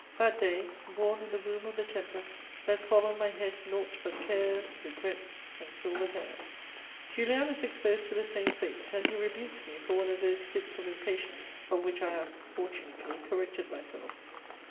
That day, born in the womb of the tempests, let fall on my head nought but cares, regrets and silver hairs." [Sidenote: The Kerkenna Isles.] Julien is exposed to the same fate, and he rebukes me for one of those fits of impatience of which I have, fortunately, corrected myself.